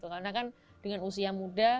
karena kan dengan usia muda